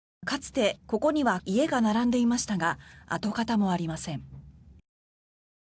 かつて、ここには家が並んでいましたが跡形もありません。